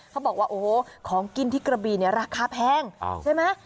เขาบอกว่าโอ้โหของกินที่กระบีเนี่ยราคาแพงใช่ไหม